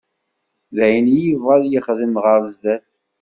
D ayen i yebɣa ad yexdem ɣer sdat.